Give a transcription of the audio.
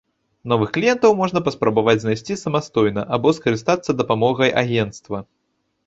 Новых кліентаў можна паспрабаваць знайсці самастойна або скарыстацца дапамогай агенцтва.